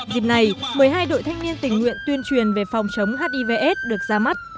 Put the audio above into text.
dịp này một mươi hai đội thanh niên tình nguyện tuyên truyền về phòng chống hivs được ra mắt